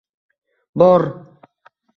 - Bor!